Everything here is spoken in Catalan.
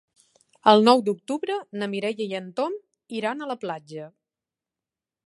El nou d'octubre na Mireia i en Tom iran a la platja.